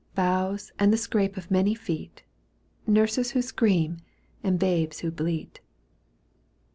Bows and the scrape of many feet, Nurses who scream and babes who bleat.